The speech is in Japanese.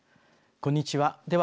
こんにちは。